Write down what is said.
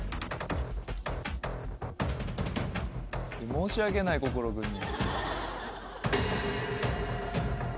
申し訳ない心君に。